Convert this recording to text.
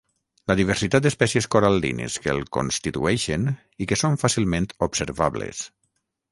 La diversitat d'espècies coral·lines que el constitueixen i que són fàcilment observables.